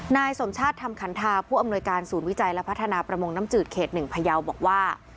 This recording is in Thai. นายสมชาติธรรมขันทาผู้อำนวยการศูนย์วิจัยและพัฒนาประมงน้ำจืดเขต๑พยาวบอกว่า